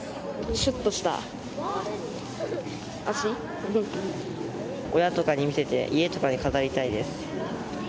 しゅっとした脚親とかに見せて家とかに飾りたいです。